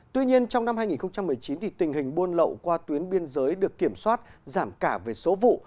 tuy nhiên trong năm hai nghìn một mươi chín tình hình buôn lậu qua tuyến biên giới được kiểm soát giảm cả về số vụ